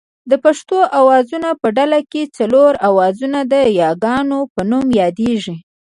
د پښتو آوازونو په ډله کې څلور آوازونه د یاګانو په نوم یادېږي